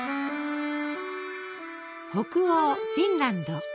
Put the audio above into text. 北欧フィンランド。